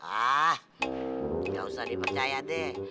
ah nggak usah dipercaya deh